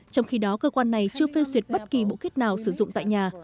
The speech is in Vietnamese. trong khi đó cơ quan này chưa phê suyết bất kỳ bộ kít nào sử dụng tại nhà